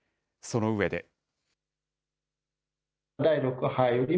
その上で。